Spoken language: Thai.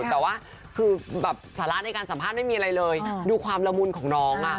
แต่ว่าคือแบบสาระในการสัมภาษณ์ไม่มีอะไรเลยดูความละมุนของน้อง